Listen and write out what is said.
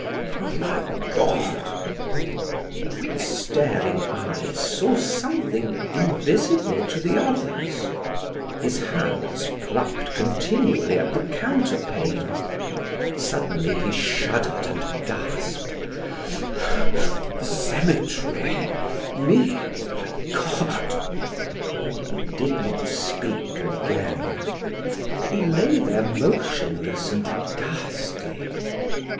Oh, my God!" His staring eyes saw something invisible to the others; his hands plucked continually at the counterpane. Suddenly he shuddered and gasped: "The cemetery me my God!" He did not speak again. He lay there motionless and ghastly.